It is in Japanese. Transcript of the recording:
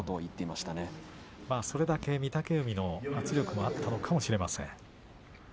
それだけ御嶽海の圧力があったのかもしれません。